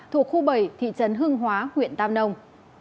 thuộc khu bảy thị trấn hương hóa huyện tam nông